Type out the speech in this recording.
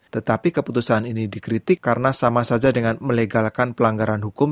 tetapi keputusan ini dikritik karena sama saja dengan melegalkan pelanggaran hukum